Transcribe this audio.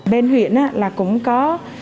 bên huyện cũng có